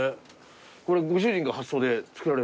これご主人が発想で作られるんですか？